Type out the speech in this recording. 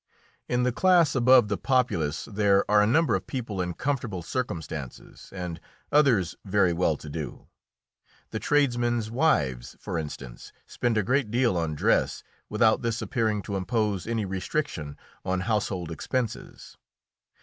In the class above the populace there are a number of people in comfortable circumstances and others very well to do. The tradesmen's wives, for instance, spend a great deal on dress, without this appearing to impose any restriction on household expenses.